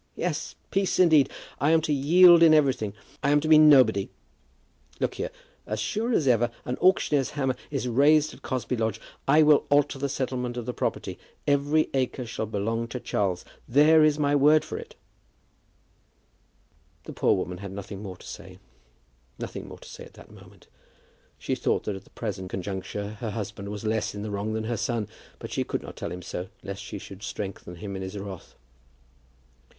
yes; peace indeed. I am to yield in everything. I am to be nobody. Look here; as sure as ever an auctioneer's hammer is raised at Cosby Lodge, I will alter the settlement of the property. Every acre shall belong to Charles. There is my word for it." The poor woman had nothing more to say; nothing more to say at that moment. She thought that at the present conjuncture her husband was less in the wrong than her son, but she could not tell him so lest she should strengthen him in his wrath.